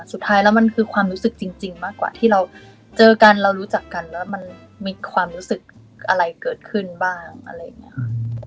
สุดท้ายแล้วมันคือความรู้สึกจริงมากกว่าที่เราเจอกันเรารู้จักกันแล้วมันมีความรู้สึกอะไรเกิดขึ้นบ้างอะไรอย่างนี้ค่ะ